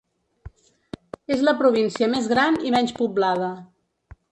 És la província més gran i menys poblada.